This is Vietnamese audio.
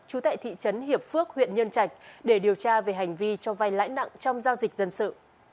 trú tại thị trấn hiệp phước huyện nhân trạch để điều tra về hành vi cho vay lãi nặng trong giao dịch dân sự